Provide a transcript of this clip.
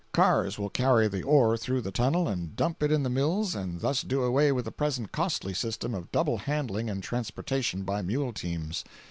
Cars will carry the ore through the tunnel and dump it in the mills and thus do away with the present costly system of double handling and transportation by mule teams.